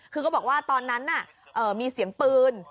คือก็บอกว่าตอนนั้นมีเสียงปืน